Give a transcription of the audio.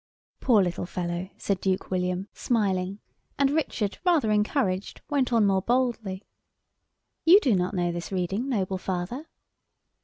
"Poor little fellow," said Duke William, smiling and Richard, rather encouraged, went on more boldly. "You do not know this reading, noble father?"